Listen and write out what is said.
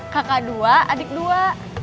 kakak dua adik dua